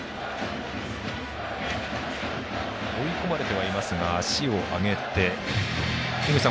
追い込まれてはいますが足を上げて井口さん